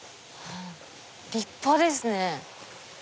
立派ですね！